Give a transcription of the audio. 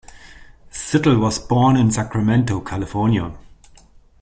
Zettel was born in Sacramento, California.